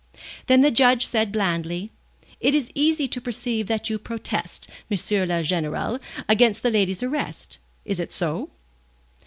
Then the Judge said blandly, "It is easy to perceive that you protest, M. le Général, against that lady's arrest. Is it so?